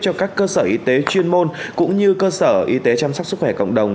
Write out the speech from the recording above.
cho các cơ sở y tế chuyên môn cũng như cơ sở y tế chăm sóc sức khỏe cộng đồng